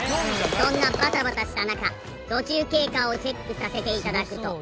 そんなバタバタした中途中経過をチェックさせて頂くと。